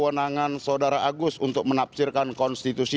kewenangan saudara agus untuk menafsirkan konstitusi